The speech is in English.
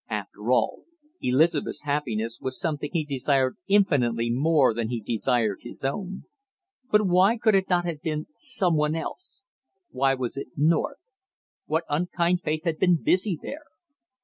After all Elizabeth's happiness was something he desired infinitely more than he desired his own. But why could it not have been some one else? Why was it North; what unkind fate had been busy there?